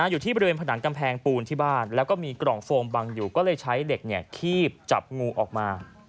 อยู่ที่บริเวณผนังกำแพงปูนที่บ้านแล้วก็มีกล่องโฟมบังอยู่ก็เลยใช้เหล็กคีบจับงูออกมา